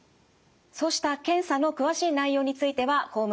そうした検査の詳しい内容についてはホームページ